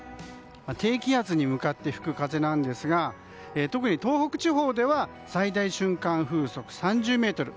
低気圧に向かって吹く風ですが特に東北地方では最大瞬間風速３０メートル。